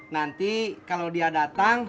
nanti kalo dia datang